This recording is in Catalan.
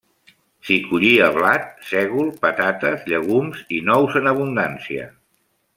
S'hi collia blat, sègol, patates, llegums i nous en abundància.